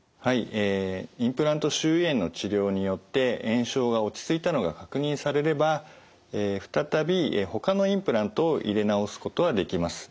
えインプラント周囲炎の治療によって炎症が落ち着いたのが確認されれば再びほかのインプラントを入れ直すことはできます。